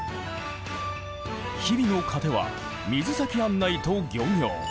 日々の糧は水先案内と漁業。